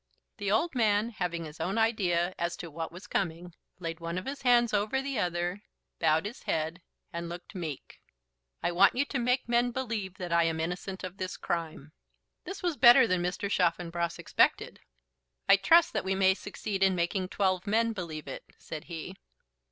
The old man, having his own idea as to what was coming, laid one of his hands over the other, bowed his head, and looked meek. "I want you to make men believe that I am innocent of this crime." This was better than Mr. Chaffanbrass expected. "I trust that we may succeed in making twelve men believe it," said he.